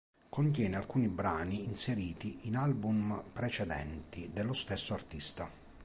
Contiene alcuni brani inseriti in album precedenti dello stesso artista.